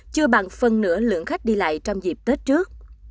chưa bằng phân nửa lượng khách đi lại trong dịp tết trước